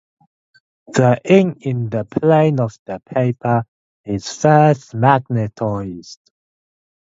The ink in the plane of the paper is first magnetized.